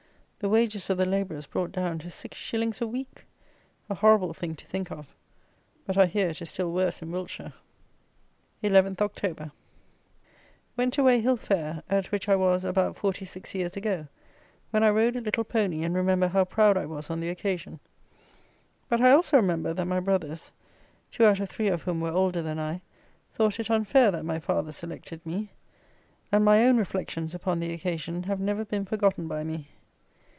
The wages of the labourers brought down to six shillings a week! a horrible thing to think of; but, I hear, it is still worse in Wiltshire. 11th October. Went to Weyhill fair, at which I was about 46 years ago, when I rode a little pony, and remember how proud I was on the occasion; but I also remember that my brothers, two out of three of whom were older than I, thought it unfair that my father selected me; and my own reflections upon the occasion have never been forgotten by me.